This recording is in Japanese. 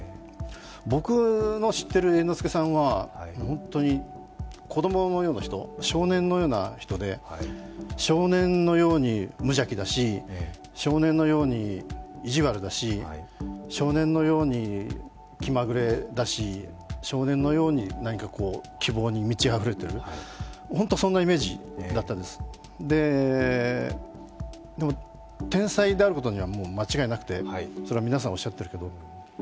僕の知っている猿之助さんは本当に子供のような人少年のような人で少年のように無邪気だし、少年のように意地悪だし少年のように気まぐれだし少年のように何か希望に満ちあふれている、本当、そんなイメージだったんですでも、天才であることには間違いなくてそれは皆さんおっしゃってるけど。